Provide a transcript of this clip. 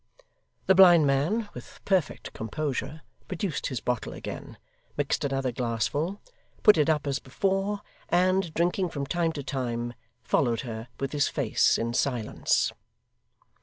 The blind man, with perfect composure, produced his bottle again, mixed another glassful; put it up as before; and, drinking from time to time, followed her with his face in silence.